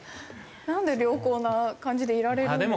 なんで良好な感じでいられるんでしょうね。